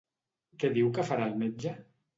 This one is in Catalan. Què diu que farà el metge?